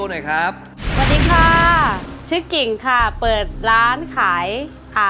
เดี๋ยวแล้วเลือกดอกไม้ตุ๊กตามันให้ใจทางผู้หญิงรึเปล่า